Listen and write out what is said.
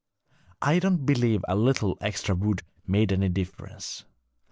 I don't believe a little extra wood made any difference.'